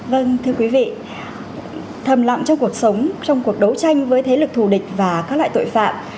vâng thưa quý vị thầm lặng trong cuộc sống trong cuộc đấu tranh với thế lực thù địch và các loại tội phạm